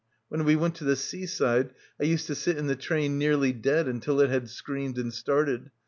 When we went to the sea side I used to sit in the train nearly dead until it had screamed and started.